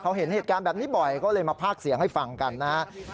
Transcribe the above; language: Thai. เขาเห็นเหตุการณ์แบบนี้บ่อยก็เลยมาภาคเสียงให้ฟังกันนะครับ